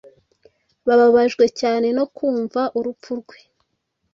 Bababajwe cyane no kumva urupfu rwe